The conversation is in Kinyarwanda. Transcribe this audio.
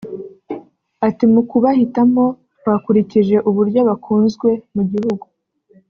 ati “Mu kubahitamo twakurikije uburyo bakunzwe mu gihugu